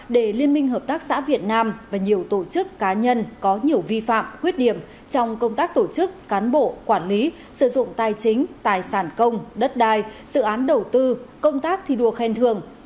để liên minh hợp tác xã việt nam và nhiều tổ chức cá nhân có nhiều vi phạm khuyết điểm trong công tác tổ chức cán bộ quản lý sử dụng tài chính tài sản công đất đai dự án đầu tư công tác thi đua khen thường